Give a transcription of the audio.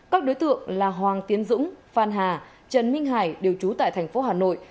các đối tượng là hoàng tiến dũng phan hà trần minh hải đều trú tại thành phố hà nội